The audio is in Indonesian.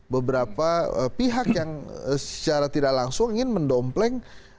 beberapa pihak yang secara tidak langsung ingin mendompleng